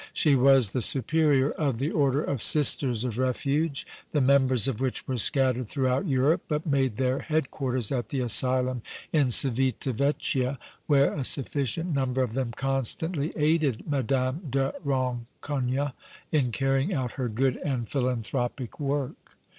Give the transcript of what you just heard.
She was the Superior of the Order of Sisters of Refuge, the members of which were scattered throughout Europe, but made their headquarters at the asylum in Civita Vecchia, where a sufficient number of them constantly aided Madame de Rancogne in carrying out her good and philanthropic work.